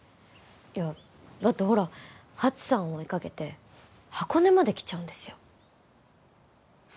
いやだってほらハチさんを追いかけて箱根まで来ちゃうんですよ？